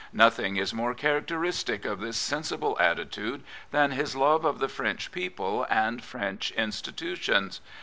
Nothing is more characteristic of this sensible attitude than his love of the French people and French institutions.